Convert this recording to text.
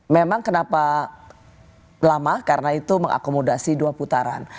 memang kenapa lama karena itu mengakomodasi dua putaran